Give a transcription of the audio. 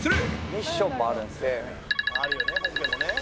「ミッションもあるんですよね」